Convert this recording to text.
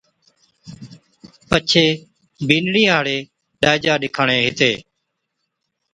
پڇي بِينڏڙِي ھاڙي ڏائِجا ڏِکاڻي ھِتي